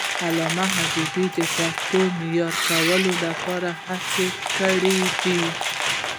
علامه حبيبي د پښتو د معیاري کولو هڅه کړې ده.